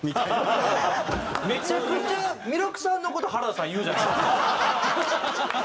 めちゃくちゃ彌勒さんの事原田さん言うじゃないですか。